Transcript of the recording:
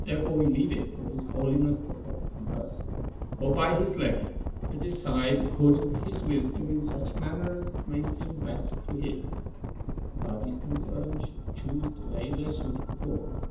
Therefore we leave it to his Holiness the Pope in person, or by his legate, to decide according to his wisdom in such manner as may seem best to him, if the parties concerned should choose to lay their suit before him.